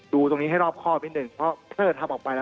ดูตรงนี้ให้รอบข้อนิดนึงเพราะเมื่อทำออกไป